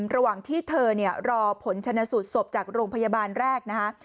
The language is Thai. ระหว่างที่เธอรอผลชนะสูตรศพจากโรงพยาบาลแรกนะคะ